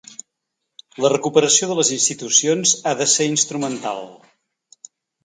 La recuperació de les institucions ha de ser instrumental.